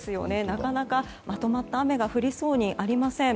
なかなか、まとまった雨が降りそうにありません。